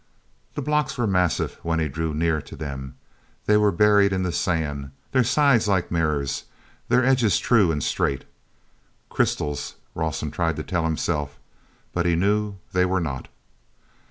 The blocks were massive when he drew near to them. They were buried in the sand, their sides like mirrors, their edges true and straight. "Crystals," Rawson tried to tell himself, but he knew they were not.